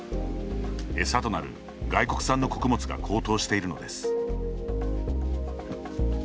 餌となる外国産の穀物が高騰しているのです。